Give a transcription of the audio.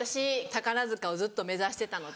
宝塚をずっと目指してたので。